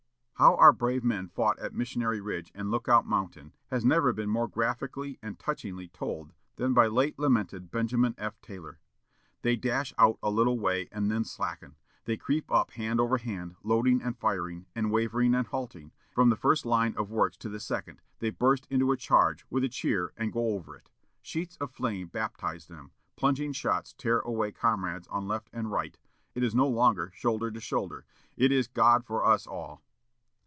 How our brave men fought at Missionary Ridge and Lookout Mountain has never been more graphically and touchingly told than by the late lamented Benjamin F. Taylor: "They dash out a little way and then slacken; they creep up hand over hand, loading and firing, and wavering and halting, from the first line of works to the second; they burst into a charge, with a cheer, and go over it. Sheets of flame baptize them; plunging shots tear away comrades on left and right; it is no longer shoulder to shoulder; it is God for us all!